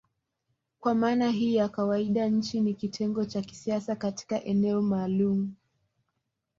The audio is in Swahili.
Kwa maana hii ya kawaida nchi ni kitengo cha kisiasa katika eneo maalumu.